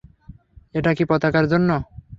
এটা কী পতাকার জন্য?